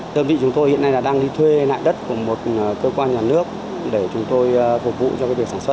đơn vị chúng tôi hiện nay là đang đi thuê lại đất của một cơ quan nhà nước để chúng tôi phục vụ cho việc sản xuất